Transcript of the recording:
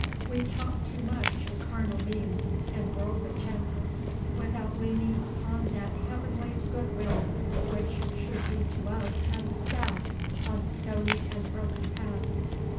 'We talk too much o' carnal means and worldly chances, without leaning upon that heavenly goodwill which should be to us as a staff on stony and broken paths.